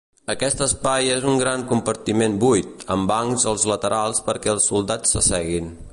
Aquest espai és un gran compartiment buit, amb bancs als laterals perquè els soldats s'asseguin.